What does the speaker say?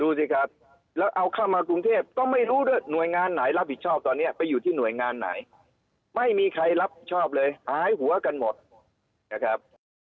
ดูสิครับแล้วเอาเข้ามากรุงเทพก็ไม่รู้ด้วยหน่วยงานไหนรับผิดชอบตอนนี้ไปอยู่ที่หน่วยงานไหนไม่มีใครรับชอบเลยหายหัวกันหมดนะครับ